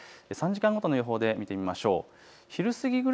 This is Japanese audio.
３時間ごとの予報で見てみましょう。